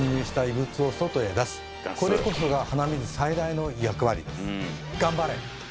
これこそが鼻水最大の役割です。